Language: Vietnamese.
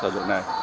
có tác dụng này